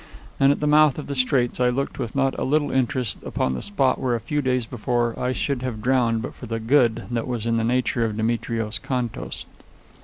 And at the mouth of the Straits I looked with not a little interest upon the spot where a few days before I should have drowned but for the good that was in the nature of Demetrios Contos.